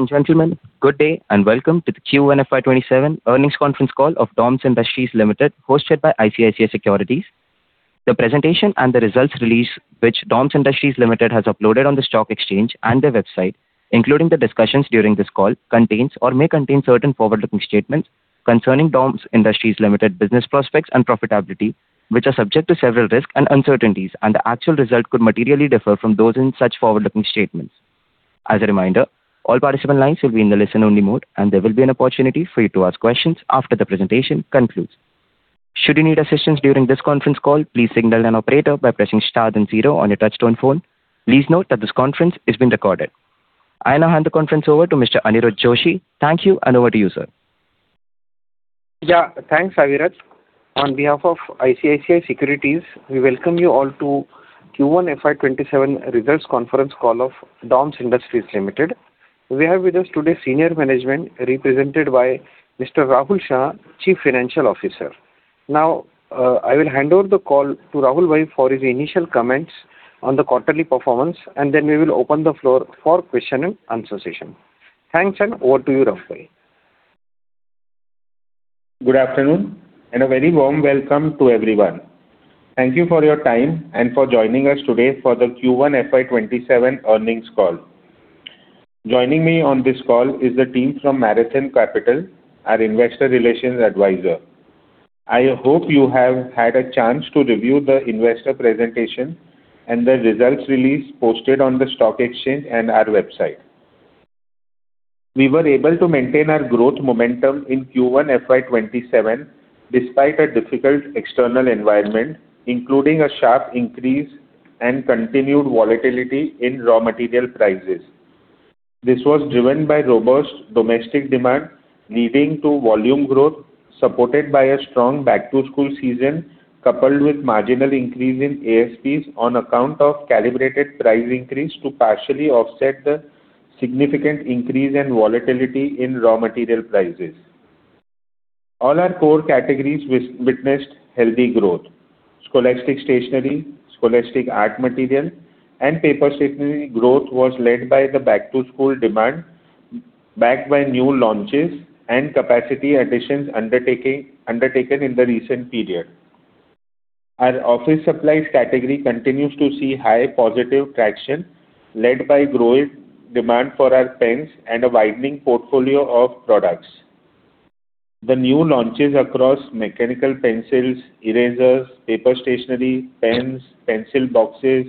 Ladies and gentlemen, good day. Welcome to the Q1 FY 2027 Earnings Conference Call of DOMS Industries Limited, hosted by ICICI Securities. The presentation and the results release, which DOMS Industries Limited has uploaded on the stock exchange and their website, including the discussions during this call, contains or may contain certain forward-looking statements concerning DOMS Industries Limited business prospects and profitability, which are subject to several risks and uncertainties. The actual result could materially differ from those in such forward-looking statements. As a reminder, all participant lines will be in the listen-only mode. There will be an opportunity for you to ask questions after the presentation concludes. Should you need assistance during this conference call, please signal an operator by pressing star then zero on your touch-tone phone. Please note that this conference is being recorded. I now hand the conference over to Mr. Aniruddha Joshi. Thank you. Over to you, sir. Thanks, Avirath. On behalf of ICICI Securities, we welcome you all to Q1 FY 2027 results conference call of DOMS Industries Limited. We have with us today senior management represented by Mr. Rahul Shah, Chief Financial Officer. I will hand over the call to Rahul bhai for his initial comments on the quarterly performance. We will open the floor for question-and-answer session. Thanks. Over to you, Rahul bhai. Good afternoon. A very warm welcome to everyone. Thank you for your time and for joining us today for the Q1 FY 2027 earnings call. Joining me on this call is the team from Marathon Capital, our Investor Relations advisor. I hope you have had a chance to review the investor presentation and the results release posted on the stock exchange and our website. We were able to maintain our growth momentum in Q1 FY 2027 despite a difficult external environment, including a sharp increase and continued volatility in raw material prices. This was driven by robust domestic demand leading to volume growth, supported by a strong back-to-school season, coupled with marginal increase in ASP on account of calibrated price increase to partially offset the significant increase and volatility in raw material prices. All our core categories witnessed healthy growth. Scholastic stationery, scholastic art material, and paper stationery growth was led by the back-to-school demand, backed by new launches and capacity additions undertaken in the recent period. Our office supplies category continues to see high positive traction led by growing demand for our pens and a widening portfolio of products. The new launches across mechanical pencils, erasers, paper stationery, pens, pencil boxes,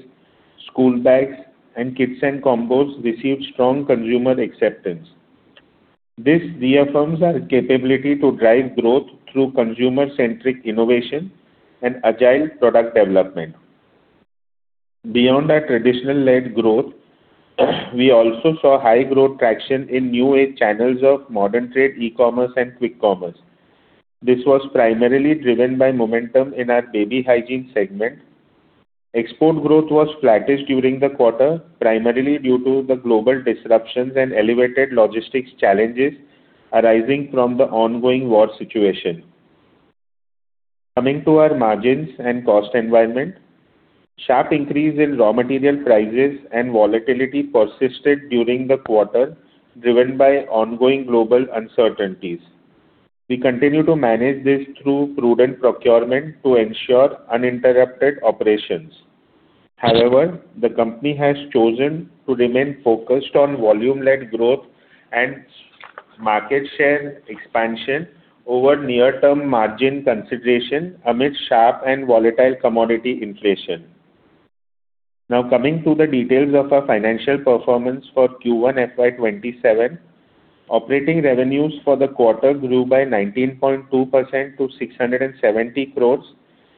school bags, and kits and combos received strong consumer acceptance. This reaffirms our capability to drive growth through consumer-centric innovation and agile product development. Beyond our traditional-led growth, we also saw high growth traction in new age channels of modern trade, e-commerce, and quick commerce. This was primarily driven by momentum in our baby hygiene segment. Export growth was flattish during the quarter, primarily due to the global disruptions and elevated logistics challenges arising from the ongoing war situation. Coming to our margins and cost environment, sharp increase in raw material prices and volatility persisted during the quarter, driven by ongoing global uncertainties. We continue to manage this through prudent procurement to ensure uninterrupted operations. The company has chosen to remain focused on volume-led growth and market share expansion over near-term margin consideration amid sharp and volatile commodity inflation. Coming to the details of our financial performance for Q1 FY 2027. Operating revenues for the quarter grew by 19.2% to 670 crore,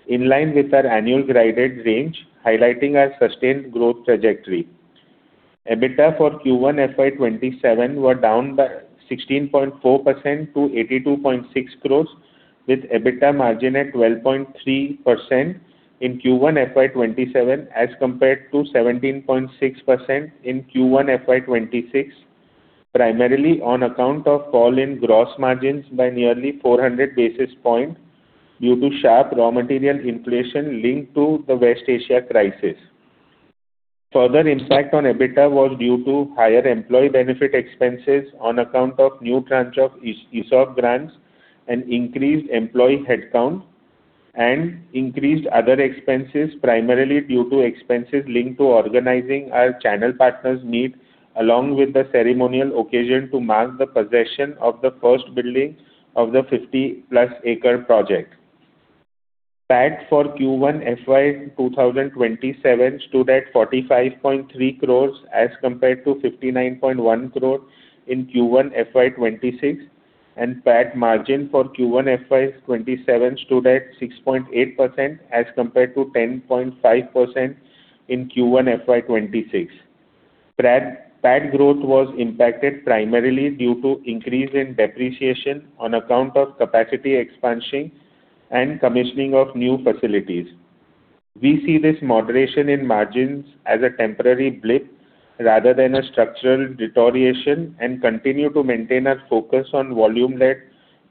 in line with our annual guided range, highlighting our sustained growth trajectory. EBITDA for Q1 FY 2027 were down by 16.4% to 82.6 crore, with EBITDA margin at 12.3% in Q1 FY 2027 as compared to 17.6% in Q1 FY 2026, primarily on account of fall in gross margins by nearly 400 basis points due to sharp raw material inflation linked to the West Asia crisis. Further impact on EBITDA was due to higher employee benefit expenses on account of new tranche of ESOP grants and increased employee headcount, and increased other expenses, primarily due to expenses linked to organizing our channel partners meet, along with the ceremonial occasion to mark the possession of the first building of the 50+ acre project. PAT for Q1 FY 2027 stood at 45.3 crore as compared to 59.1 crore in Q1 FY 2026, and PAT margin for Q1 FY 2027 stood at 6.8% as compared to 10.5% in Q1 FY 2026. PAT growth was impacted primarily due to increase in depreciation on account of capacity expansion and commissioning of new facilities. We see this moderation in margins as a temporary blip rather than a structural deterioration and continue to maintain our focus on volume-led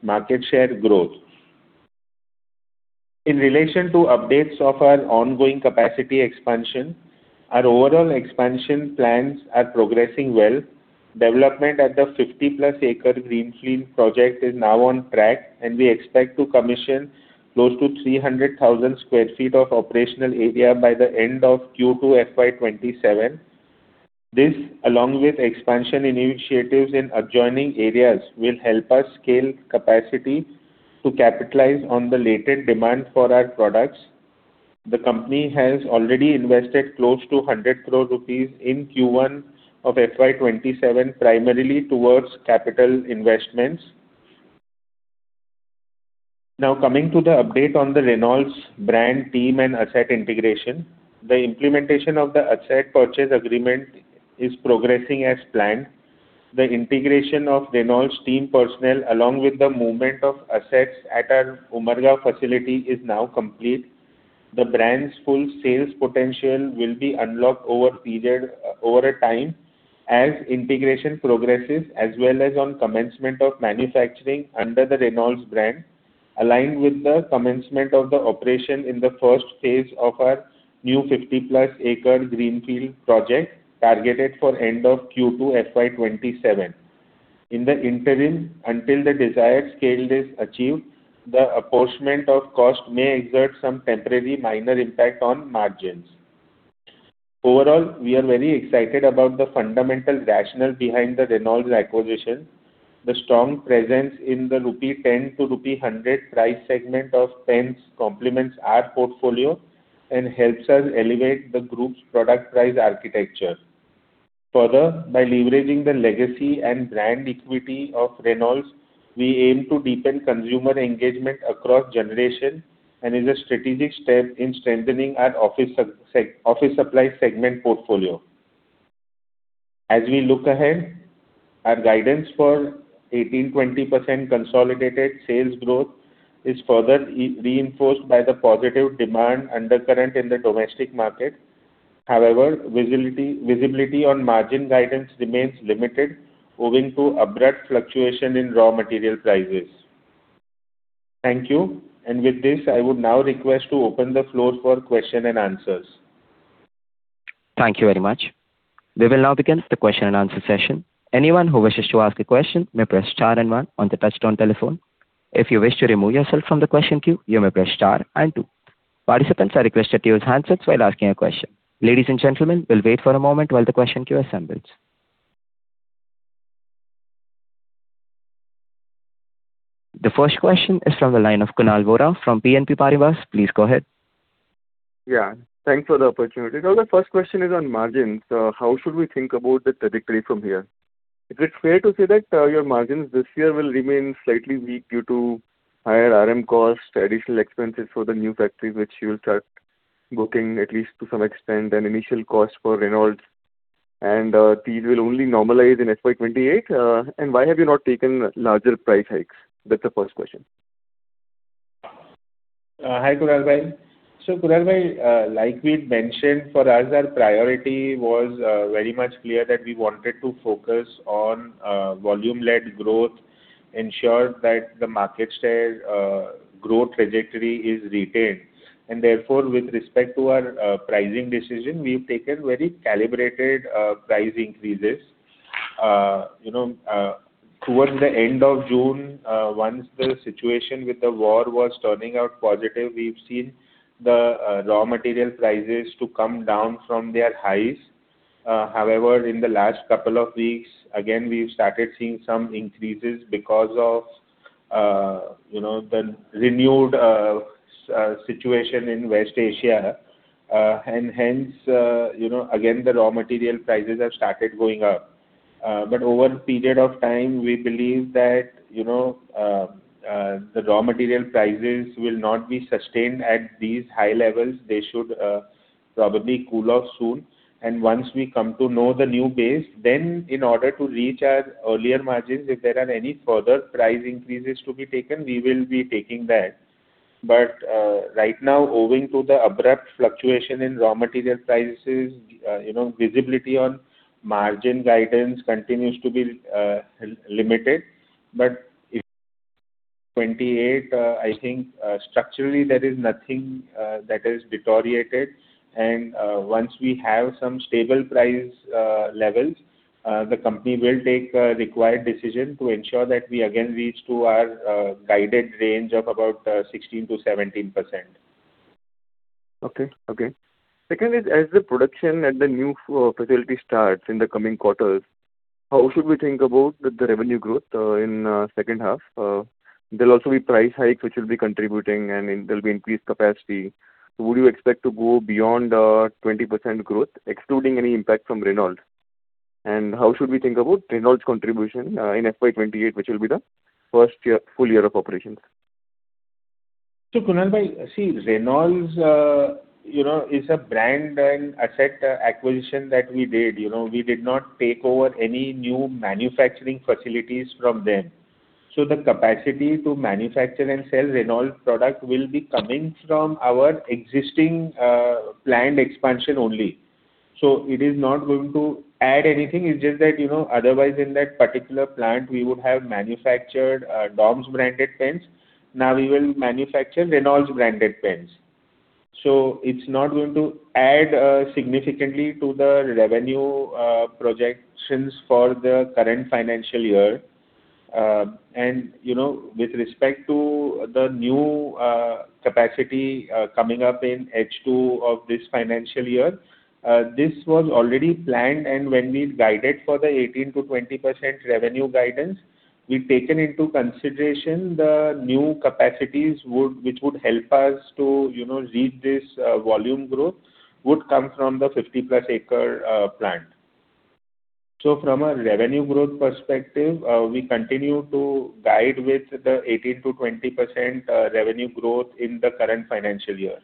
market share growth. In relation to updates of our ongoing capacity expansion, our overall expansion plans are progressing well. Development at the 50+ acre Greenfield Project is now on track, and we expect to commission close to 300,000 sq ft of operational area by the end of Q2 FY 2027. This, along with expansion initiatives in adjoining areas, will help us scale capacity to capitalize on the latent demand for our products. The company has already invested close to 100 crore rupees in Q1 of FY 2027, primarily towards capital investments. Coming to the update on the Reynolds brand team and asset integration. The implementation of the asset purchase agreement is progressing as planned. The integration of Reynolds team personnel, along with the movement of assets at our Umbergaon facility, is now complete. The brand's full sales potential will be unlocked over a time as integration progresses, as well as on commencement of manufacturing under the Reynolds brand, aligned with the commencement of the operation in the first phase of our new 50+ acre Greenfield Project targeted for end of Q2 FY 2027. In the interim, until the desired scale is achieved, the apportionment of cost may exert some temporary minor impact on margins. Overall, we are very excited about the fundamental rationale behind the Reynolds acquisition. The strong presence in the 10-100 rupee price segment of pens complements our portfolio and helps us elevate the group's product price architecture. Further, by leveraging the legacy and brand equity of Reynolds, we aim to deepen consumer engagement across generation and is a strategic step in strengthening our office supply segment portfolio. As we look ahead, our guidance for 18%-20% consolidated sales growth is further reinforced by the positive demand undercurrent in the domestic market. However, visibility on margin guidance remains limited owing to abrupt fluctuation in raw material prices. Thank you. With this, I would now request to open the floor for question and answers. Thank you very much. We will now begin the question-and-answer session. Anyone who wishes to ask a question may press star and one on the touch-tone telephone. If you wish to remove yourself from the question queue, you may press star and two. Participants are requested to use handsets while asking a question. Ladies and gentlemen, we will wait for a moment while the question queue assembles. The first question is from the line of Kunal Vora from BNP Paribas. Please go ahead. Yeah. Thanks for the opportunity. Now, the first question is on margins. How should we think about the trajectory from here? Is it fair to say that your margins this year will remain slightly weak due to higher RM costs, additional expenses for the new factory, which you will start booking at least to some extent, and initial costs for Reynolds, and these will only normalize in FY 2028? Why have you not taken larger price hikes? That's the first question. Hi, Kunal. Kunal, like we'd mentioned, for us, our priority was very much clear that we wanted to focus on volume-led growth, ensure that the market share growth trajectory is retained. Therefore, with respect to our pricing decision, we've taken very calibrated price increases. Towards the end of June, once the situation with the war was turning out positive, we've seen the raw material prices to come down from their highs. However, in the last couple of weeks, again, we've started seeing some increases because of the renewed situation in West Asia. Hence, again, the raw material prices have started going up. Over a period of time, we believe that the raw material prices will not be sustained at these high levels. They should probably cool off soon. Once we come to know the new base, in order to reach our earlier margins, if there are any further price increases to be taken, we will be taking that. Right now, owing to the abrupt fluctuation in raw material prices, visibility on margin guidance continues to be limited. In FY 2028, I think structurally there is nothing that has deteriorated, and once we have some stable price levels, the company will take the required decision to ensure that we again reach to our guided range of about 16%-17%. Okay. Second is, as the production at the new facility starts in the coming quarters, how should we think about the revenue growth in second half? There'll also be price hikes which will be contributing, and there'll be increased capacity. Would you expect to go beyond 20% growth, excluding any impact from Reynolds? How should we think about Reynolds' contribution in FY 2028, which will be the first full year of operations? Kunal, see, Reynolds is a brand and asset acquisition that we did. We did not take over any new manufacturing facilities from them. The capacity to manufacture and sell Reynolds product will be coming from our existing planned expansion only. It is not going to add anything. It's just that, otherwise in that particular plant, we would have manufactured DOMS branded pens. Now we will manufacture Reynolds branded pens. It's not going to add significantly to the revenue projections for the current financial year. With respect to the new capacity coming up in H2 of this financial year, this was already planned, and when we guided for the 18%-20% revenue guidance, we've taken into consideration the new capacities which would help us to reach this volume growth would come from the 50+ acre plant. From a revenue growth perspective, we continue to guide with the 18%-20% revenue growth in the current financial year.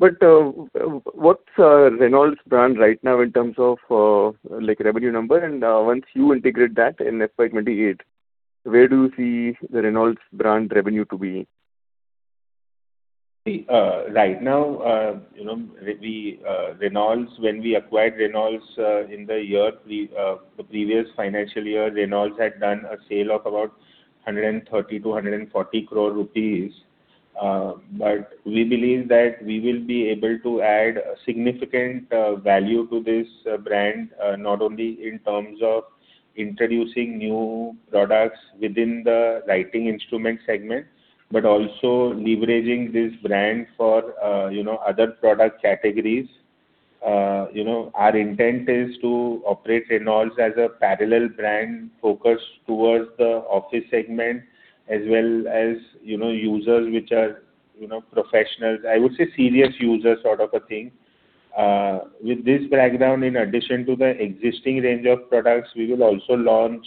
What's Reynolds brand right now in terms of revenue number? Once you integrate that in FY 2028, where do you see the Reynolds brand revenue to be? Right now Reynolds, when we acquired Reynolds in the previous financial year, Reynolds had done a sale of about 130 crore-140 crore rupees. We believe that we will be able to add significant value to this brand, not only in terms of introducing new products within the writing instruments segment, but also leveraging this brand for other product categories. Our intent is to operate Reynolds as a parallel brand focused towards the office segment as well as users, which are professionals. I would say serious user sort of a thing. With this background, in addition to the existing range of products, we will also launch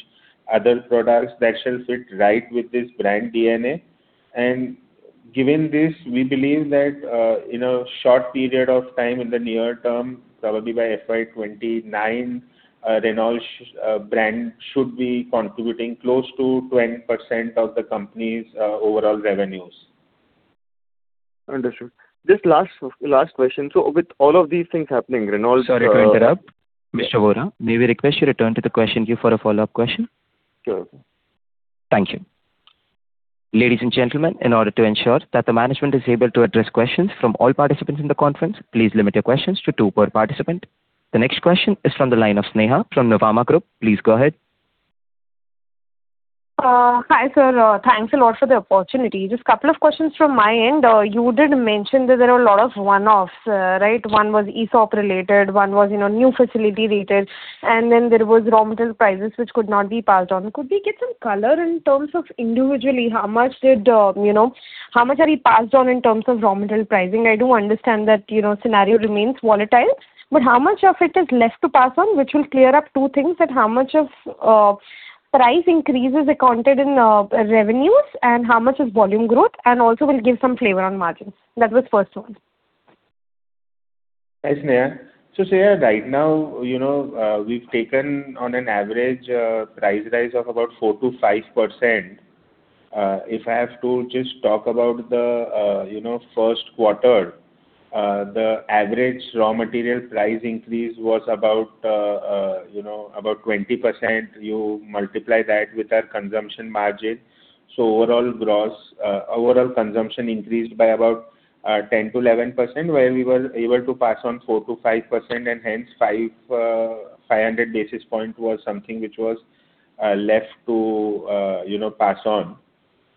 other products that shall fit right with this brand DNA. Given this, we believe that, in a short period of time, in the near term, probably by FY 2029, Reynolds brand should be contributing close to 20% of the company's overall revenues. Understood. Just last question. With all of these things happening, Reynolds- Sorry to interrupt. Mr. Vora, may we request you return to the question queue for a follow-up question? Sure. Thank you. Ladies and gentlemen, in order to ensure that the management is able to address questions from all participants in the conference, please limit your questions to two per participant. The next question is from the line of Sneha from Nuvama Group. Please go ahead. Hi, sir. Thanks a lot for the opportunity. Just couple of questions from my end. You did mention that there are a lot of one-offs, right? One was ESOP related, one was new facility related, then there was raw material prices which could not be passed on. Could we get some color in terms of individually how much have you passed on in terms of raw material pricing? I do understand that scenario remains volatile, but how much of it is left to pass on, which will clear up two things that how much of price increase is accounted in revenues and how much is volume growth? Also will give some flavor on margins. That was first one. Hi, Sneha. Right now we've taken on an average price rise of about 4%-5%. If I have to just talk about the first quarter, the average raw material price increase was about 20%. You multiply that with our consumption margin. Overall consumption increased by about 10%-11%, where we were able to pass on 4%-5% and hence 500 basis points was something which was left to pass on.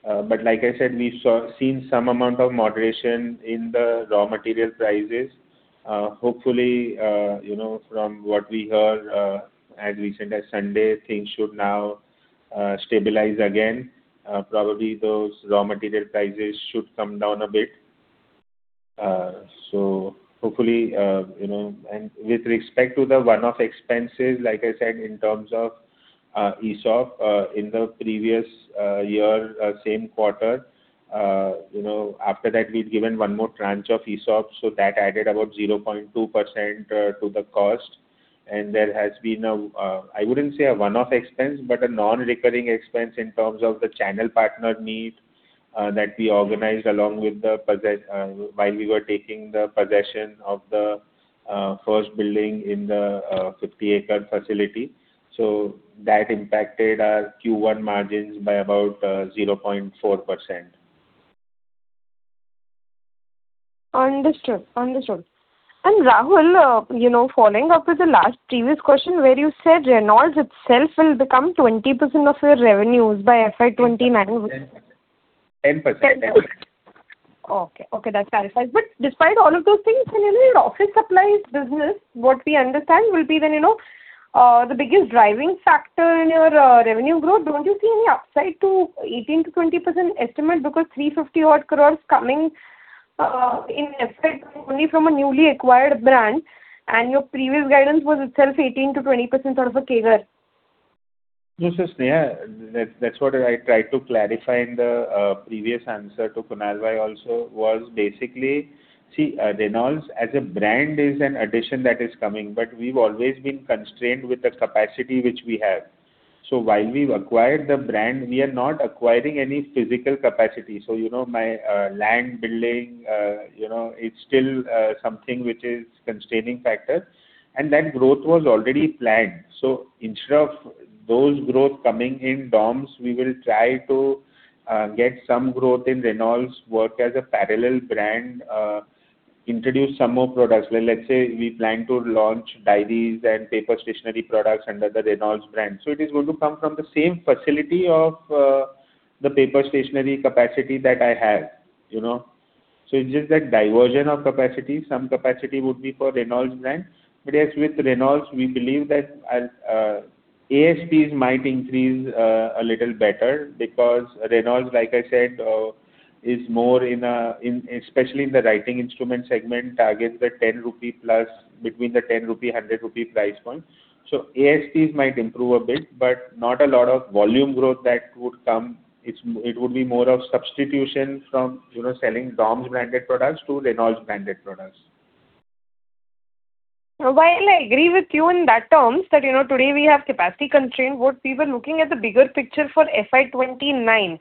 Like I said, we've seen some amount of moderation in the raw material prices. Hopefully, from what we heard as recent as Sunday, things should now stabilize again. Probably those raw material prices should come down a bit. With respect to the one-off expenses, like I said, in terms of ESOP, in the previous year same quarter, after that we'd given one more tranche of ESOP, that added about 0.2% to the cost. There has been, I wouldn't say a one-off expense, but a non-recurring expense in terms of the channel partner meet that we organized while we were taking the possession of the first building in the 50-acre facility. That impacted our Q1 margins by about 0.4%. Understood. Rahul, following up with the last previous question where you said Reynolds itself will become 20% of your revenues by FY 2029. 10%. 10%. Okay. That clarifies. Despite all of those things in an office supplies business, what we understand will be the biggest driving factor in your revenue growth. Don't you see any upside to 18%-20% estimate because 350 odd crore coming in effect only from a newly acquired brand and your previous guidance was itself 18%-20% sort of a CAGR. No, Sneha, that's what I tried to clarify in the previous answer to Kunal also was basically, see, Reynolds as a brand is an addition that is coming, but we've always been constrained with the capacity which we have. While we've acquired the brand, we are not acquiring any physical capacity. My land building, it's still something which is constraining factor, and that growth was already planned. Instead of those growth coming in DOMS, we will try to get some growth in Reynolds work as a parallel brand, introduce some more products. Let's say we plan to launch diaries and paper stationery products under the Reynolds brand. It is going to come from the same facility of the paper stationery capacity that I have. It's just that diversion of capacity. Some capacity would be for Reynolds brand. Yes, with Reynolds, we believe that ASP might increase a little better because Reynolds, like I said, especially in the writing instrument segment, targets the 10 rupee plus between the 10 rupee, 100 rupee price point. ASP might improve a bit, but not a lot of volume growth that would come. It would be more of substitution from selling DOMS branded products to Reynolds branded products. While I agree with you in that terms that today we have capacity constraint, but we were looking at the bigger picture for FY 2029.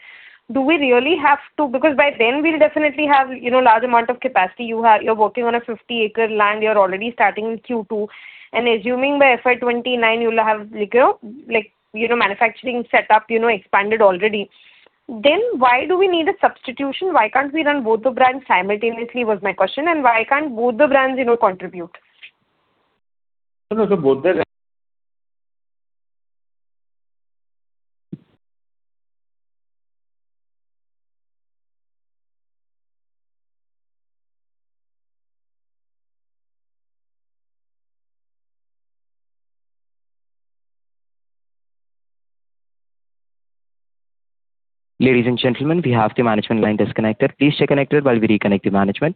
Do we really have to? Because by then we'll definitely have large amount of capacity. You're working on a 50-acre land. You're already starting in Q2, and assuming by FY 2029 you'll have manufacturing set up expanded already. Why do we need a substitution? Why can't we run both the brands simultaneously was my question, and why can't both the brands contribute? No, both the- Ladies and gentlemen, we have the management line disconnected. Please stay connected while we reconnect the management.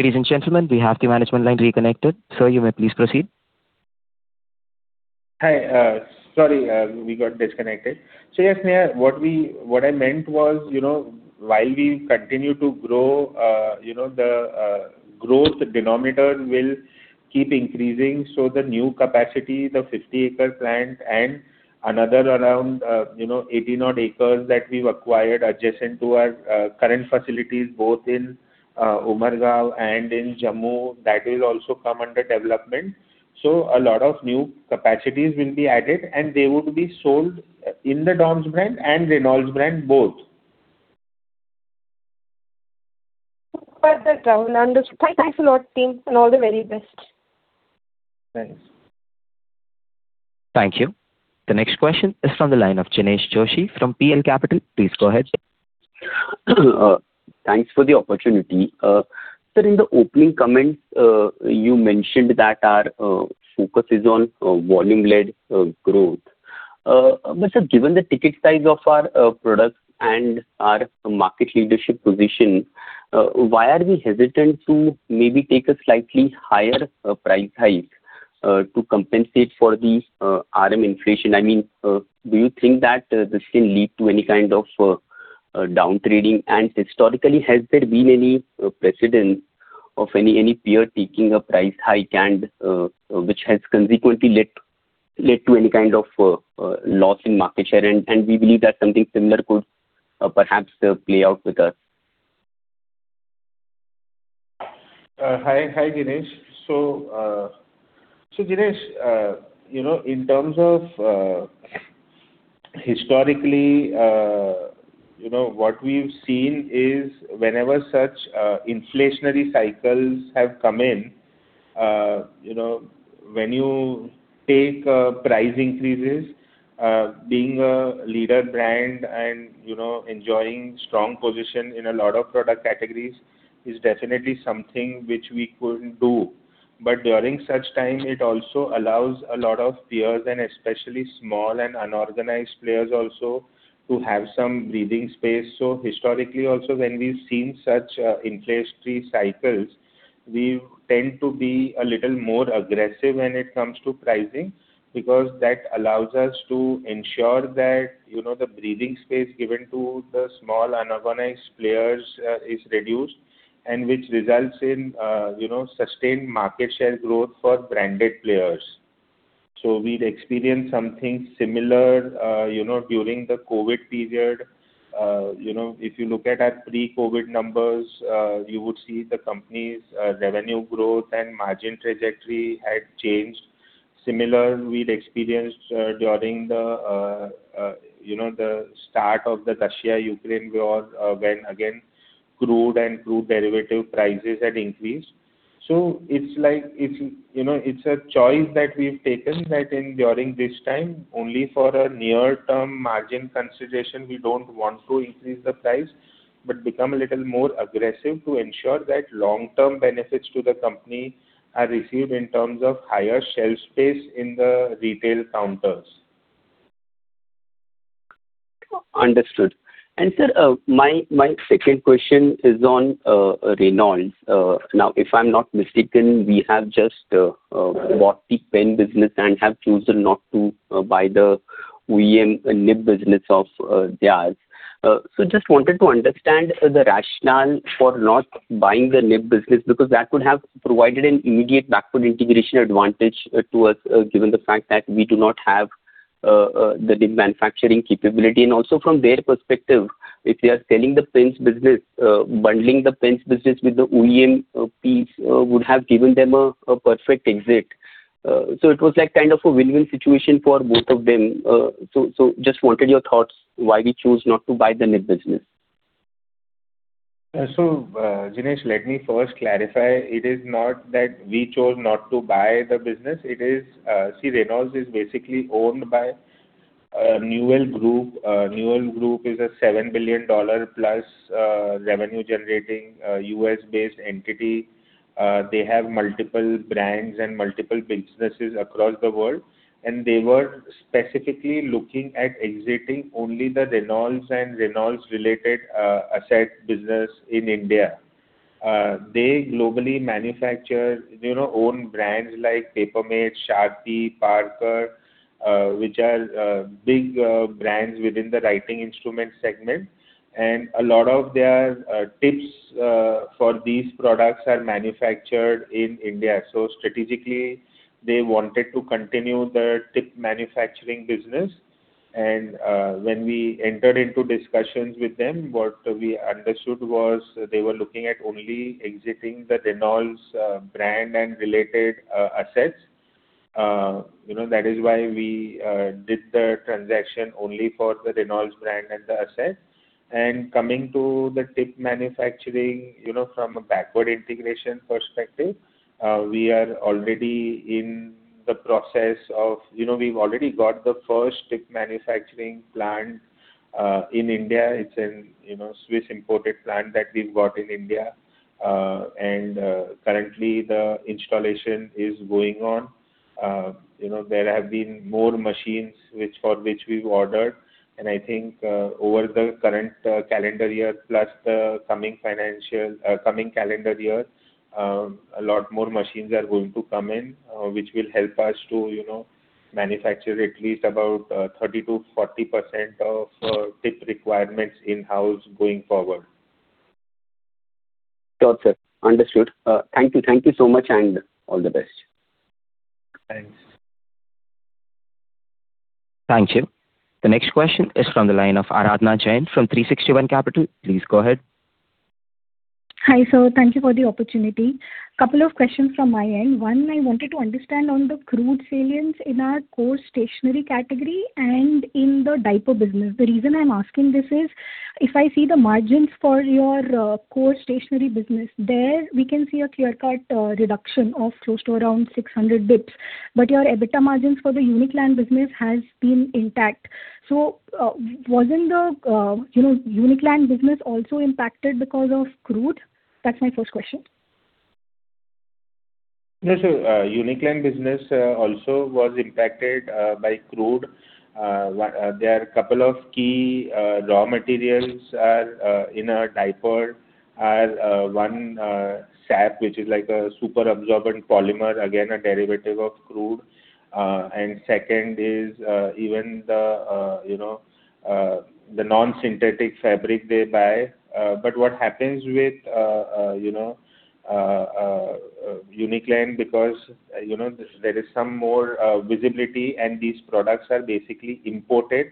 Ladies and gentlemen, we have the management line reconnected. Sir, you may please proceed. Hi. Sorry, we got disconnected. Yes, Sneha, what I meant was, while we continue to grow, the growth denominator will keep increasing. The new capacity, the 50-acre plant and another around 18 odd acres that we've acquired adjacent to our current facilities, both in Umbergaon and in Jammu, that will also come under development. A lot of new capacities will be added, and they would be sold in the DOMS brand and Reynolds brand both. Got that. Now understood. Thank you so much, team, and all the very best. Thanks. Thank you. The next question is from the line of Jinesh Joshi from PL Capital. Please go ahead. Thanks for the opportunity. Sir, in the opening comments, you mentioned that our focus is on volume-led growth. Sir, given the ticket size of our products and our market leadership position, why are we hesitant to maybe take a slightly higher price hike to compensate for the RM inflation? I mean, do you think that this can lead to any kind of down trading? Historically, has there been any precedent of any peer taking a price hike, which has consequently led to any kind of loss in market share? We believe that something similar could perhaps play out with us. Hi, Jinesh. Jinesh, in terms of historically, what we've seen is whenever such inflationary cycles have come in, when you take price increases, being a leader brand and enjoying strong position in a lot of product categories is definitely something which we could do. During such time, it also allows a lot of peers and especially small and unorganized players also to have some breathing space. Historically also, when we've seen such inflationary cycles, we tend to be a little more aggressive when it comes to pricing, because that allows us to ensure that the breathing space given to the small unorganized players is reduced, which results in sustained market share growth for branded players. We'd experienced something similar during the COVID period. If you look at our pre-COVID numbers, you would see the company's revenue growth and margin trajectory had changed. Similar we'd experienced during the start of the Russia-Ukraine war, when, again, crude and crude derivative prices had increased. It's a choice that we've taken that during this time, only for a near-term margin consideration, we don't want to increase the price, but become a little more aggressive to ensure that long-term benefits to the company are received in terms of higher shelf space in the retail counters. Understood. Sir, my second question is on Reynolds. Now, if I'm not mistaken, we have just bought the pen business and have chosen not to buy the OEM nib business of theirs. Just wanted to understand the rationale for not buying the nib business, because that could have provided an immediate backward integration advantage to us, given the fact that we do not have the manufacturing capability. Also from their perspective, if they are selling the pens business, bundling the pens business with the OEM piece would have given them a perfect exit. It was like kind of a win-win situation for both of them. Just wanted your thoughts why we chose not to buy the nib business. Jinesh, let me first clarify. It is not that we chose not to buy the business. Reynolds is basically owned by Newell Brands. Newell Brands is a $7+ billion revenue-generating, U.S.-based entity. They have multiple brands and multiple businesses across the world, they were specifically looking at exiting only the Reynolds and Reynolds-related asset business in India. They globally manufacture own brands like Paper Mate, Sharpie, Parker, which are big brands within the writing instrument segment. A lot of their tips for these products are manufactured in India. Strategically, they wanted to continue the tip manufacturing business. When we entered into discussions with them, what we understood was they were looking at only exiting the Reynolds brand and related assets. That is why we did the transaction only for the Reynolds brand and the assets. Coming to the tip manufacturing, from a backward integration perspective, we've already got the first tip manufacturing plant in India. It's a Swiss-imported plant that we've got in India. Currently the installation is going on. There have been more machines which for which we've ordered. I think, over the current calendar year plus the coming calendar year, a lot more machines are going to come in, which will help us to manufacture at least about 30%-40% of tip requirements in-house going forward. Got it. Understood. Thank you. Thank you so much and all the best. Thanks. Thank you. The next question is from the line of Aradhana Jain from 360 ONE Capital. Please go ahead. Hi, sir. Thank you for the opportunity. Couple of questions from my end. I wanted to understand on the crude salience in our core stationery category and in the diaper business. The reason I am asking this is, if I see the margins for your core stationery business, there we can see a clear-cut reduction of close to around 600 basis points. Your EBITDA margins for the Uniclan business has been intact. Wasn't the Uniclan business also impacted because of crude? That's my first question. Uniclan business also was impacted by crude. There are a couple of key raw materials in a diaper. One is SAP, which is like a super absorbent polymer, again, a derivative of crude. Second is even the non-synthetic fabric they buy. What happens with Uniclan, because there is some more visibility, and these products are basically imported,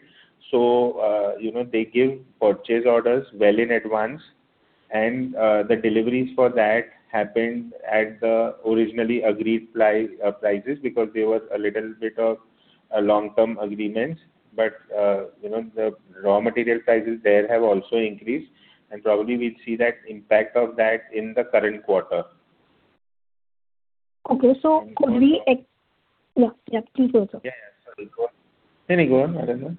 they give purchase orders well in advance. The deliveries for that happened at the originally agreed prices because there was a little bit of a long-term agreement. The raw material prices there have also increased, and probably we'll see that impact of that in the current quarter. Could we. Please go on, sir. Sorry. Go on. Go on, Aradhana.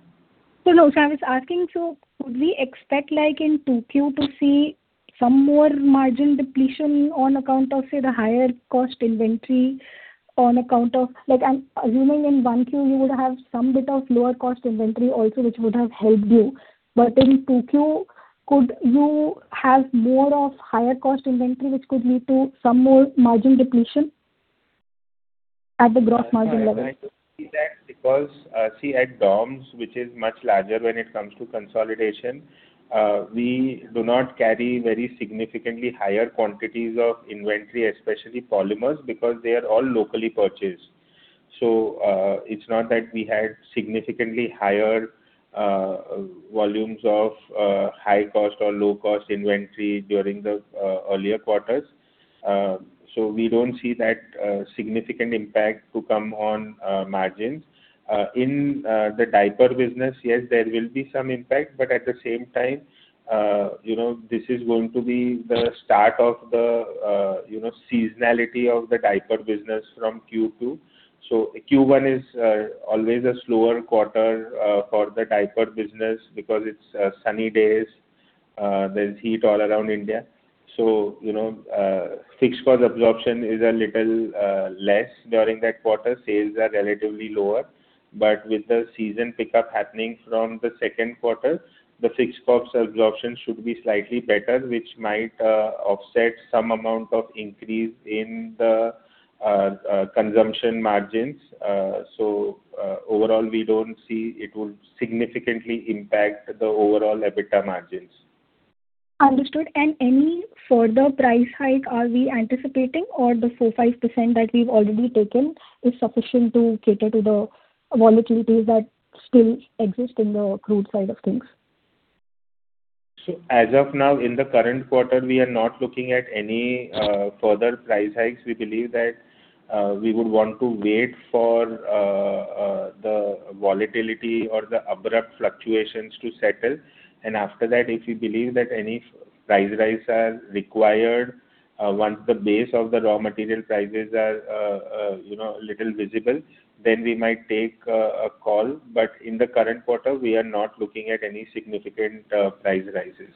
No, sir, I was asking, could we expect like in 2Q to see some more margin depletion on account of, say, the higher cost inventory on account of, like I'm assuming in 1Q, you would have some bit of lower cost inventory also, which would have helped you. In 2Q, could you have more of higher cost inventory, which could lead to some more margin depletion at the gross margin level? I don't see that because, see, at DOMS, which is much larger when it comes to consolidation, we do not carry very significantly higher quantities of inventory, especially polymers, because they are all locally purchased. It's not that we had significantly higher volumes of high cost or low cost inventory during the earlier quarters. We don't see that significant impact to come on margins. In the diaper business, yes, there will be some impact, at the same time this is going to be the start of the seasonality of the diaper business from Q2. Q1 is always a slower quarter for the diaper business because it's sunny days, there's heat all around India. Fixed cost absorption is a little less during that quarter. Sales are relatively lower. With the season pickup happening from the second quarter, the fixed cost absorption should be slightly better, which might offset some amount of increase in the consumption margins. Overall, we don't see it will significantly impact the overall EBITDA margins. Understood. Any further price hike, are we anticipating or the 4%-5% that we've already taken is sufficient to cater to the volatilities that still exist in the crude side of things? As of now, in the current quarter, we are not looking at any further price hikes. We believe that we would want to wait for the volatility or the abrupt fluctuations to settle. After that, if we believe that any price rises are required, once the base of the raw material prices are a little visible, then we might take a call. In the current quarter, we are not looking at any significant price rises.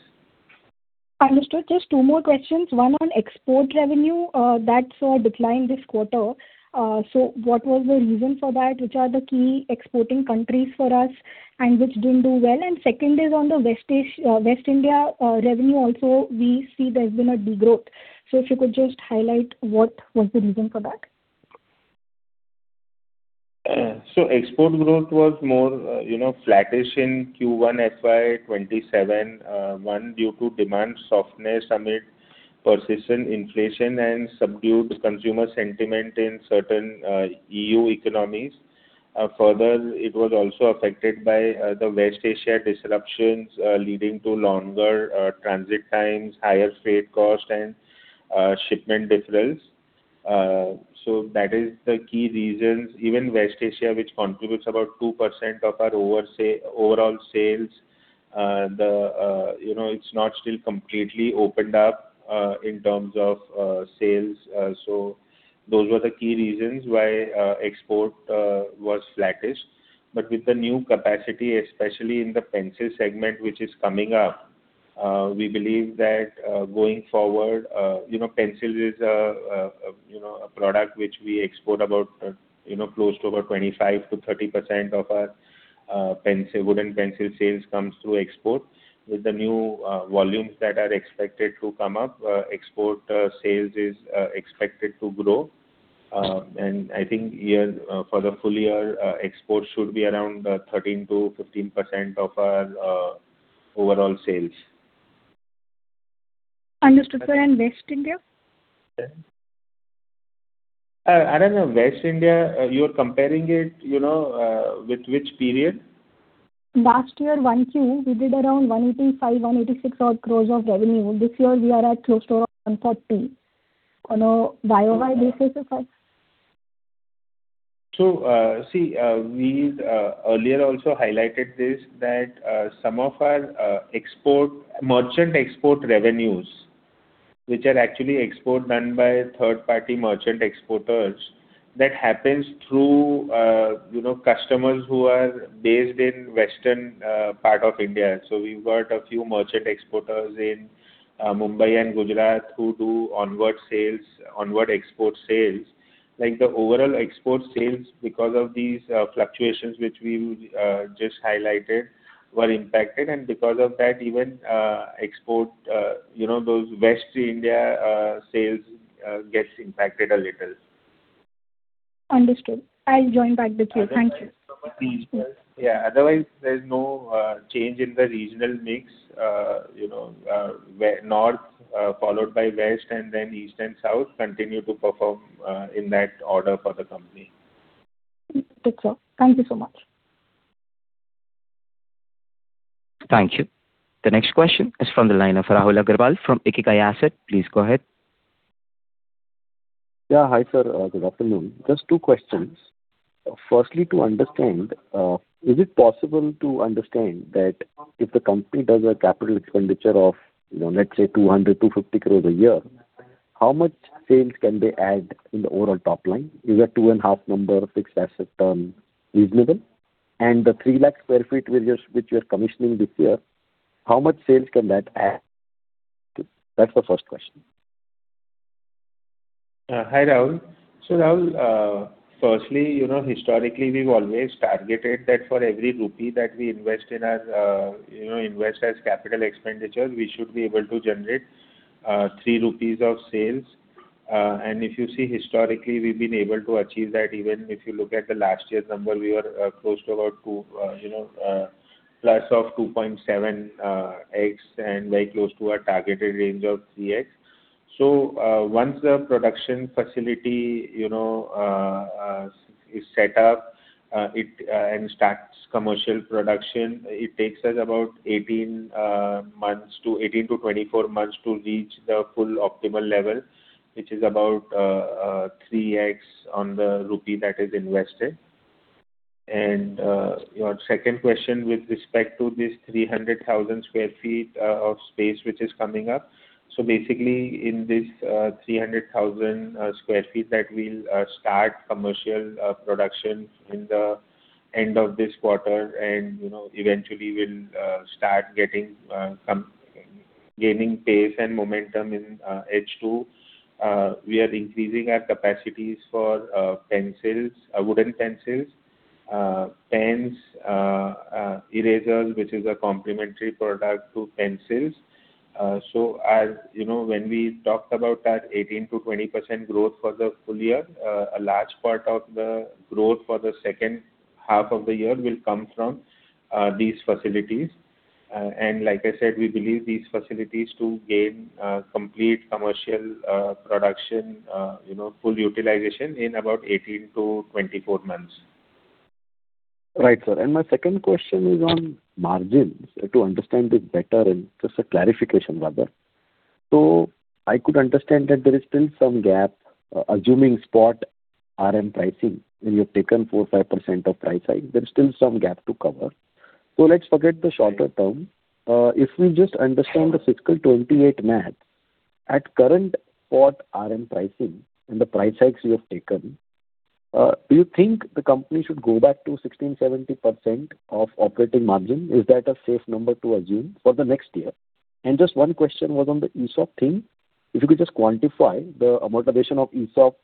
Understood. Just two more questions. One on export revenue that saw a decline this quarter. What was the reason for that? Which are the key exporting countries for us and which didn't do well? Second is on the West India revenue also, we see there's been a degrowth. If you could just highlight what was the reason for that. Export growth was more flattish in Q1 FY 2027. One, due to demand softness amid persistent inflation and subdued consumer sentiment in certain EU economies. Further, it was also affected by the West Asia disruptions, leading to longer transit times, higher freight cost and shipment difference. That is the key reasons. Even West Asia, which contributes about 2% of our overall sales, it's not still completely opened up in terms of sales. Those were the key reasons why export was flattish. With the new capacity, especially in the pencil segment, which is coming up, we believe that going forward, pencil is a product which we export about close to over 25%-30% of our wooden pencil sales comes through export. With the new volumes that are expected to come up, export sales is expected to grow. I think for the full year, exports should be around 13%-15% of our overall sales. Understood, sir. West India? I don't know. West India, you're comparing it with which period? Last year, 1Q, we did around 185 crore, 186 crore of revenue. This year we are at close to 130 crore. On a YoY basis, sir. See, we earlier also highlighted this, that some of our merchant export revenues, which are actually export done by third party merchant exporters, that happens through customers who are based in western part of India. We've got a few merchant exporters in Mumbai and Gujarat who do onward export sales. The overall export sales, because of these fluctuations which we just highlighted, were impacted. Because of that, even export, those West India sales gets impacted a little. Understood. I'll join back with you. Thank you. Yeah. Otherwise, there's no change in the regional mix. North, followed by West, and then East and South continue to perform in that order for the company. Okay, sir. Thank you so much. Thank you. The next question is from the line of Rahul Agarwal from IKIGAI Asset. Please go ahead. Hi, sir. Good afternoon. Just two questions. Firstly, to understand, is it possible to understand that if the company does a CapEx of, let's say 200 crore-250 crore a year, how much sales can they add in the overall top line? Is a 2.5 number fixed asset turn reasonable? The 3 lakh square feet which you are commissioning this year, how much sales can that add? That's the first question. Hi, Rahul. Rahul, firstly, historically we've always targeted that for every rupee that we invest as CapEx, we should be able to generate 3 rupees of sales. If you see historically, we've been able to achieve that. Even if you look at the last year's number, we were close to about +2.7x and very close to our targeted range of 3x. Once the production facility is set up and starts commercial production, it takes us about 18-24 months to reach the full optimal level, which is about 3x on the rupee that is invested. Your second question with respect to this 300,000 sq ft of space which is coming up. In this 300,000 sq ft that we'll start commercial production in the end of this quarter and eventually we'll start gaining pace and momentum in H2. We are increasing our capacities for pencils, wooden pencils, pens, erasers, which is a complementary product to pencils. When we talked about that 18%-20% growth for the full year, a large part of the growth for the second half of the year will come from these facilities. Like I said, we believe these facilities to gain complete commercial production, full utilization in about 18-24 months. Right, sir. My second question is on margins, to understand it better and just a clarification rather. I could understand that there is still some gap, assuming spot RM pricing, when you have taken 4%, 5% of price hike, there's still some gap to cover. Let's forget the shorter term. If we just understand the fiscal 2028 math, at current spot RM pricing and the price hikes you have taken, do you think the company should go back to 16%-17% of operating margin? Is that a safe number to assume for the next year? Just one question was on the ESOP thing. If you could just quantify the amortization of ESOP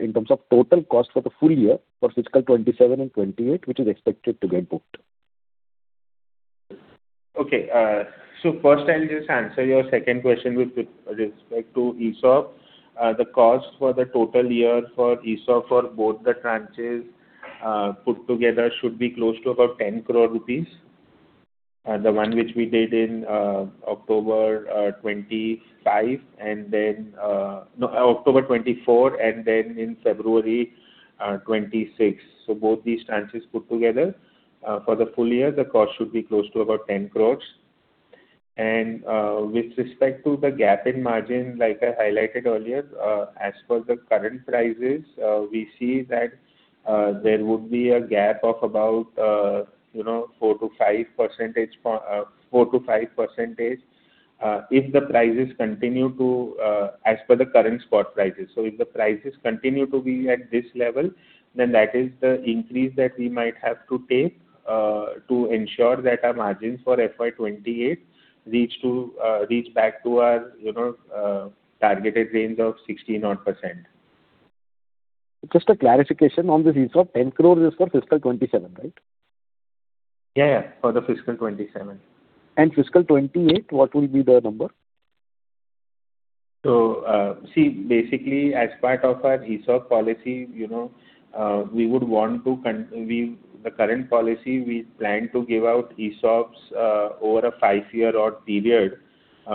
in terms of total cost for the full year for FY 2027 and FY 2028, which is expected to get booked. Okay. First I'll just answer your second question with respect to ESOP. The cost for the total year for ESOP for both the tranches, put together, should be close to about 10 crore rupees. The one which we did in October 2024 and then in February 2026. Both these tranches put together, for the full year, the cost should be close to about 10 crore. With respect to the gap in margin, like I highlighted earlier, as per the current prices, we see that there would be a gap of about 4%-5% as per the current spot prices. If the prices continue to be at this level, then that is the increase that we might have to take to ensure that our margins for FY 2028 reach back to our targeted range of 16 odd percent. Just a clarification on this ESOP, 10 crore is for fiscal 2027, right? Yeah. For the fiscal 2027. Fiscal 2028, what will be the number? See, basically as part of our ESOP policy, the current policy, we plan to give out ESOPs over a five-year odd period.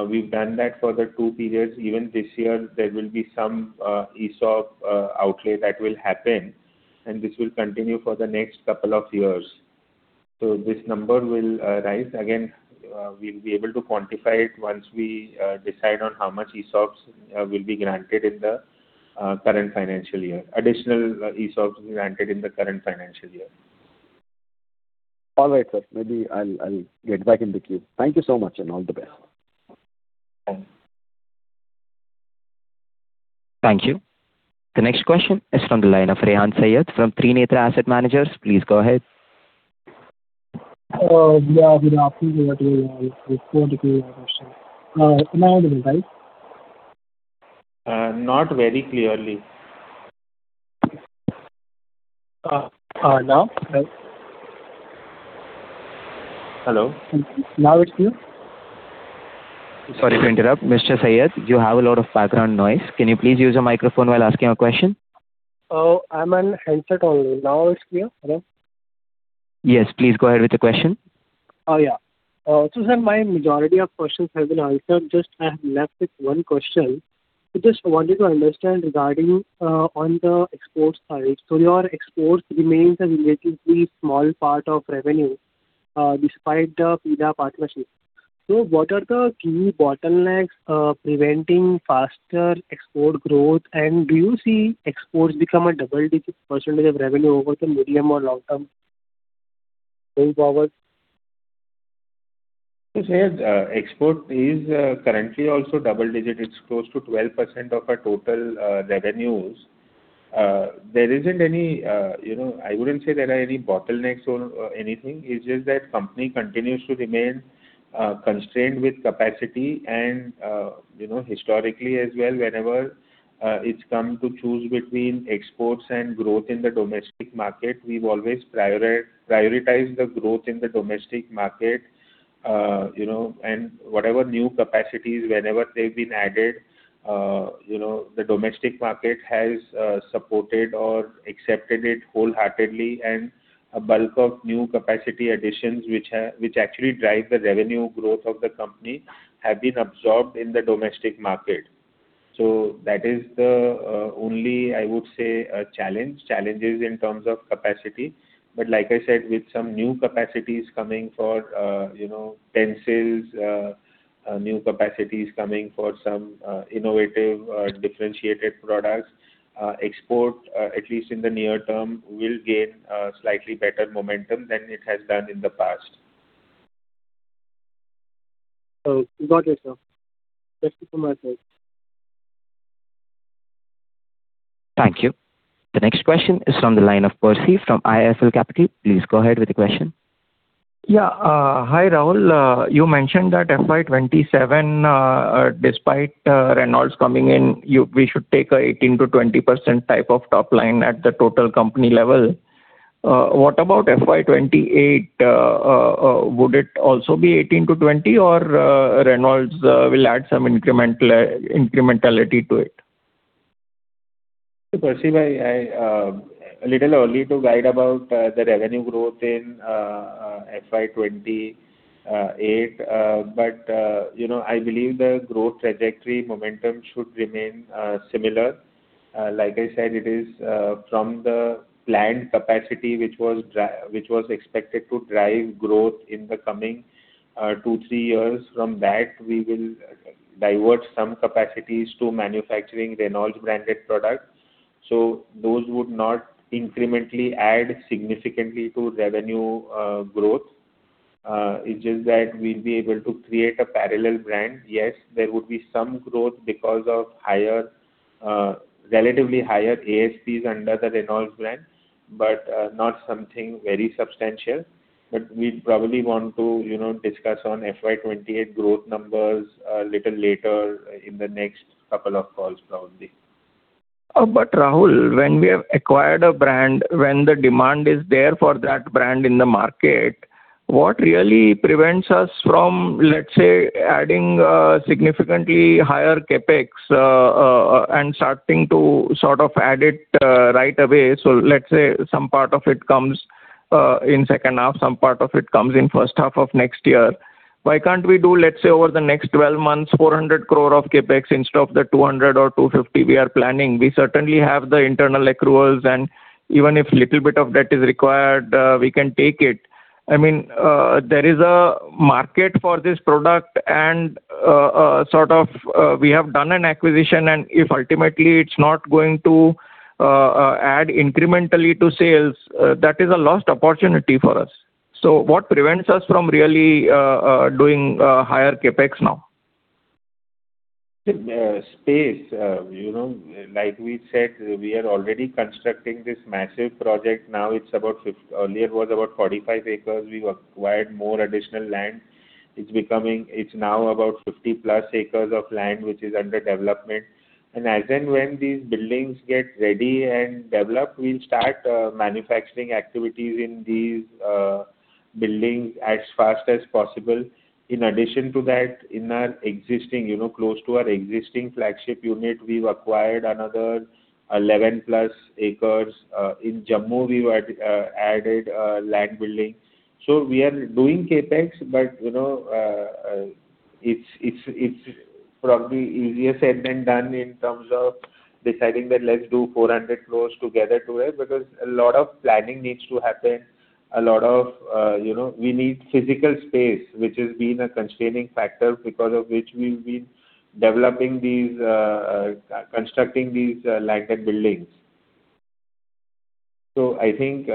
We've done that for the two periods. Even this year, there will be some ESOP outlay that will happen, and this will continue for the next couple of years. This number will rise again. We'll be able to quantify it once we decide on how much ESOPs will be granted in the current financial year. Additional ESOPs will be granted in the current financial year. All right, sir. Maybe I'll get back in the queue. Thank you so much, and all the best. Thank you. Thank you. The next question is from the line of Rehan Syed from Trinetra Asset Managers. Please go ahead. Good afternoon to everybody. Hope you're doing well. Am I audible. right? Not very clearly. Now? Hello. Now it's clear? Sorry to interrupt. Mr. Syed, you have a lot of background noise. Can you please use a microphone while asking a question? I'm on headset only. Now it's clear? Hello. Yes. Please go ahead with the question. Yeah. Sir, my majority of questions have been answered. Just I have left with one question. Just wanted to understand regarding on the export side. Your exports remains a relatively small part of revenue, despite the F.I.L.A. partnership. What are the key bottlenecks preventing faster export growth? Do you see exports become a double-digit percentage of revenue over the medium or long term going forward? Syed, export is currently also double-digit. It's close to 12% of our total revenues. I wouldn't say there are any bottlenecks or anything. It's just that company continues to remain constrained with capacity and historically as well, whenever it's come to choose between exports and growth in the domestic market, we've always prioritized the growth in the domestic market. Whatever new capacities, whenever they've been added, the domestic market has supported or accepted it wholeheartedly and a bulk of new capacity additions, which actually drive the revenue growth of the company, have been absorbed in the domestic market. That is the only, I would say, challenge. Challenges in terms of capacity. Like I said, with some new capacities coming for pencils, new capacities coming for some innovative, differentiated products, export, at least in the near term, will gain slightly better momentum than it has done in the past. Got it, sir. That's it from my side. Thank you. The next question is from the line of Percy from IIFL Capital. Please go ahead with the question. Hi, Rahul. You mentioned that FY 2027, despite Reynolds coming in, we should take 18%-20% type of top line at the total company level. What about FY 2028? Would it also be 18%-20% or Reynolds will add some incrementality to it? Percy, a little early to guide about the revenue growth in FY 2028. I believe the growth trajectory momentum should remain similar. Like I said, it is from the planned capacity, which was expected to drive growth in the coming two, three years. From that, we will divert some capacities to manufacturing Reynolds branded products. Those would not incrementally add significantly to revenue growth. It's just that we'll be able to create a parallel brand. Yes, there would be some growth because of relatively higher ASP under the Reynolds brand, but not something very substantial. We probably want to discuss on FY 2028 growth numbers a little later in the next couple of calls, probably. Rahul, when we have acquired a brand, when the demand is there for that brand in the market, what really prevents us from, let's say, adding significantly higher CapEx and starting to sort of add it right away? Let's say some part of it comes in second half, some part of it comes in first half of next year. Why can't we do, let's say, over the next 12 months, 400 crore of CapEx instead of the 200 crore or 250 crore we are planning? We certainly have the internal accruals and even if little bit of debt is required, we can take it. There is a market for this product and we have done an acquisition, and if ultimately it's not going to add incrementally to sales, that is a lost opportunity for us. What prevents us from really doing higher CapEx now? Space. Like we said, we are already constructing this massive project. Earlier it was about 45 acres. We've acquired more additional land. It's now about 50+ acres of land, which is under development. As and when these buildings get ready and developed, we'll start manufacturing activities in these buildings as fast as possible. In addition to that, close to our existing flagship unit, we've acquired another 11+ acres. In Jammu, we added land building. We are doing CapEx, but it's probably easier said than done in terms of deciding that let's do 400 crore together today because a lot of planning needs to happen. We need physical space, which has been a constraining factor because of which we've been constructing these landed buildings. I think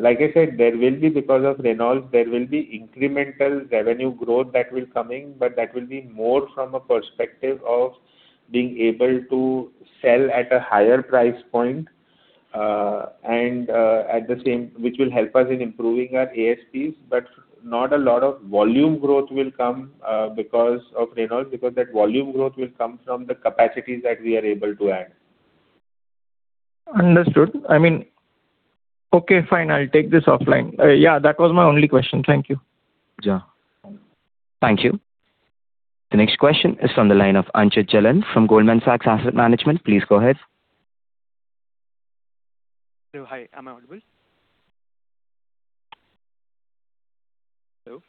like I said, because of Reynolds, there will be incremental revenue growth that will coming, but that will be more from a perspective of being able to sell at a higher price point which will help us in improving our ASP, but not a lot of volume growth will come because of Reynolds, because that volume growth will come from the capacities that we are able to add. Understood. Okay, fine. I'll take this offline. Yeah, that was my only question. Thank you. Sure. Thank you. The next question is from the line of Anchit Jalan from Goldman Sachs Asset Management. Please go ahead. Hello. Hi, am I audible? Hello?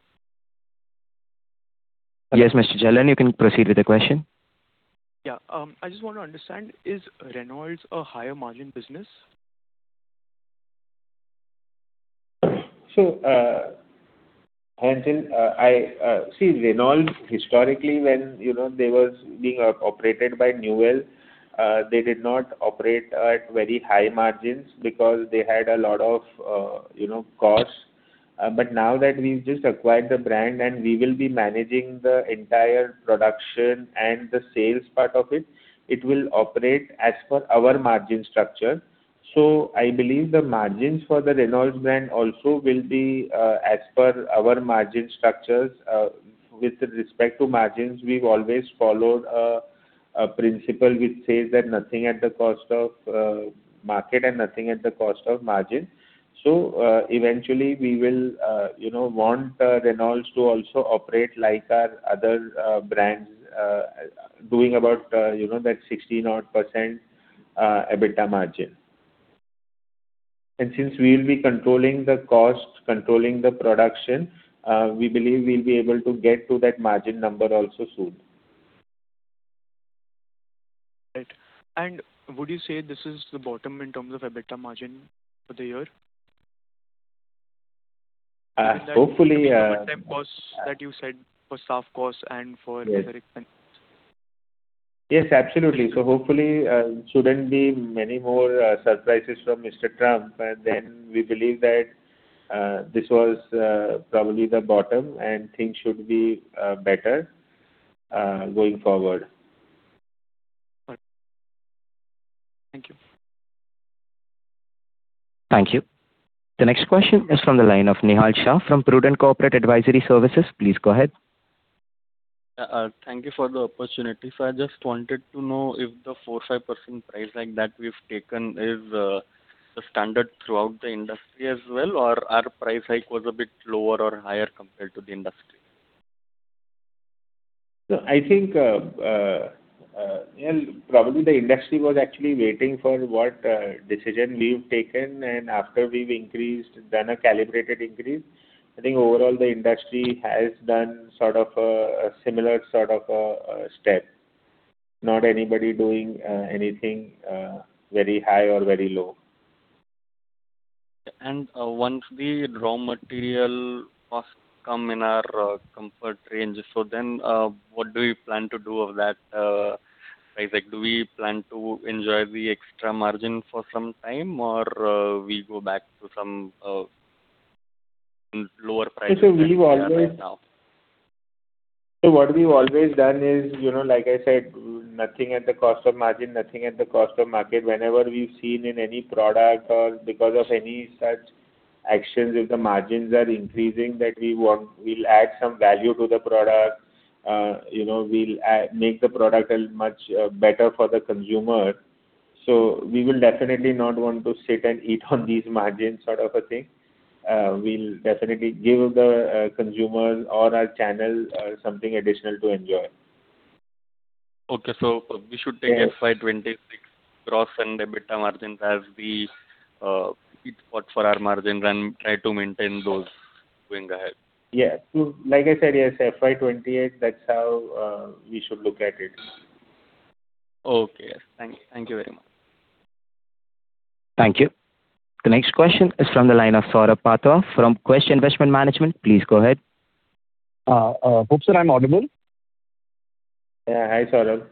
Yes, Mr. Jalan, you can proceed with the question. Yeah. I just want to understand, is Reynolds a higher margin business? Anchit, see, Reynolds historically when they were being operated by Newell, they did not operate at very high margins because they had a lot of costs. Now that we've just acquired the brand and we will be managing the entire production and the sales part of it will operate as per our margin structure. I believe the margins for the Reynolds brand also will be as per our margin structures. With respect to margins, we've always followed a principle which says that nothing at the cost of market and nothing at the cost of margin. Eventually we will want Reynolds to also operate like our other brands doing about that 16-odd percent EBITDA margin. Since we will be controlling the cost, controlling the production, we believe we'll be able to get to that margin number also soon. Right. Would you say this is the bottom in terms of EBITDA margin for the year? Hopefully- temp costs that you said for staff costs and for other expenses. Yes, absolutely. Hopefully, shouldn't be many more surprises from Mr. Trump. We believe that this was probably the bottom and things should be better, going forward. Right. Thank you. Thank you. The next question is from the line of Nihal Shah from Prudent Corporate Advisory Services. Please go ahead. Thank you for the opportunity. I just wanted to know if the 4%-5% price hike that we've taken is the standard throughout the industry as well, or our price hike was a bit lower or higher compared to the industry? I think, probably the industry was actually waiting for what decision we've taken, and after we've increased, done a calibrated increase, I think overall the industry has done a similar sort of step. Not anybody doing anything very high or very low. Once the raw material costs come in our comfort range, what do we plan to do of that price hike? Do we plan to enjoy the extra margin for some time or we go back to some lower prices than we have right now? What we've always done is, like I said, nothing at the cost of margin, nothing at the cost of market. Whenever we've seen in any product or because of any such actions, if the margins are increasing, that we'll add some value to the product. We'll make the product much better for the consumer. We will definitely not want to sit and eat on these margins sort of a thing. We'll definitely give the consumers or our channels something additional to enjoy. Okay. We should take FY 2026 gross and EBITDA margins as the sweet spot for our margin run and try to maintain those going ahead. Yeah. Like I said, yes, FY 2028, that's how we should look at it. Okay. Yes. Thank you very much. Thank you. The next question is from the line of Saurabh Patwa from Quest Investment Management. Please go ahead. Hope sir I'm audible. Yeah. Hi, Saurabh.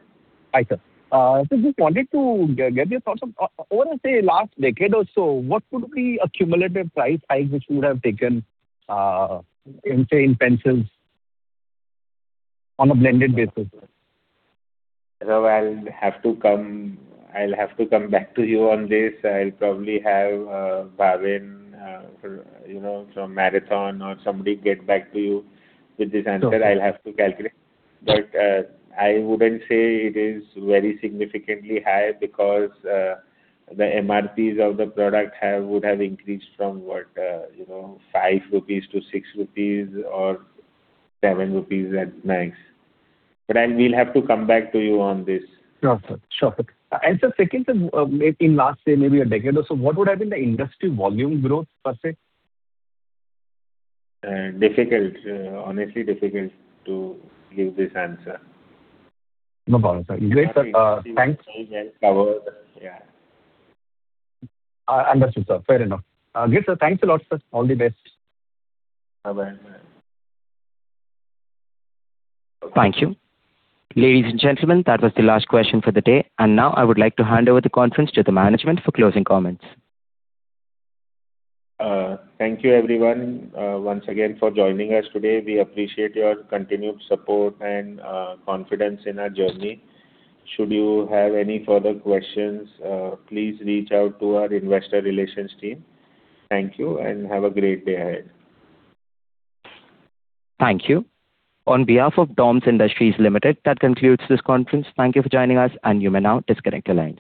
Hi, sir. Just wanted to get your thoughts of over, say, last decade or so, what would be a cumulative price hike which you would have taken in, say, in pencils on a blended basis? Saurabh, I'll have to come back to you on this. I'll probably have Bhavin from Marathon or somebody get back to you with this answer. Sure. I'll have to calculate. I wouldn't say it is very significantly high because the MRPs of the product would have increased from what? 5-6 rupees or 7 rupees at max. I will have to come back to you on this. Sure, sir. Sir, second, in last say maybe a decade or so, what would have been the industry volume growth, per se? Difficult. Honestly difficult to give this answer. No problem, sir. Great, sir. Thanks. Yeah. Understood, sir. Fair enough. Great, sir. Thanks a lot, sir. All the best. Bye-bye. Thank you. Ladies and gentlemen, that was the last question for the day. Now I would like to hand over the conference to the management for closing comments. Thank you, everyone, once again for joining us today. We appreciate your continued support and confidence in our journey. Should you have any further questions, please reach out to our Investor Relations team. Thank you, and have a great day ahead. Thank you. On behalf of DOMS Industries Limited, that concludes this conference. Thank you for joining us and you may now disconnect your lines.